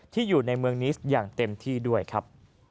อยู่ในเมืองนิสอย่างเต็มที่ด้วยครับ